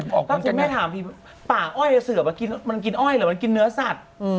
ตั้งใจแม่ถามทีป่าอ้อยเสือมันกินอ้อยหรือมันกินเนื้อสัตว์